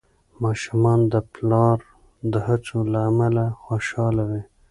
ماشومان د پلار د هڅو له امله خوشحال وي.